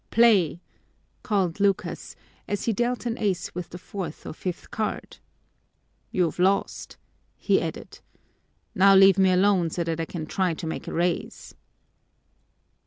"Play!" called Lucas, as he dealt an ace with the fourth or fifth card. "You've lost," he added. "Now leave me alone so that I can try to make a raise."